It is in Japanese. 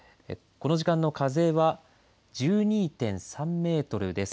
この時間の風は１２．３メートルです。